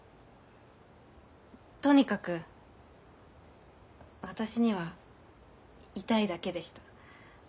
とにかく私には痛いだけでした。